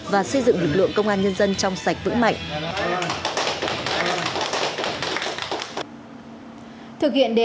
và xây dựng lực lượng công an nhân dân trong sạch vững mạnh